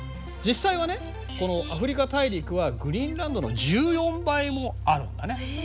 実際はねこのアフリカ大陸はグリーンランドの１４倍もあるんだね。